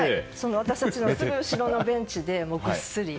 私たちのすぐ後ろのベンチでぐっすり。